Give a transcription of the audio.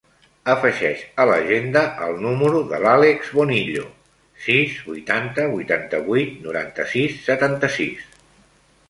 Afegeix a l'agenda el número de l'Àlex Bonillo: sis, vuitanta, vuitanta-vuit, noranta-sis, setanta-sis.